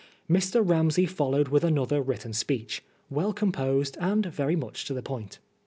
Mr. Ramsey followed with another written speech, well composed and very much to the point.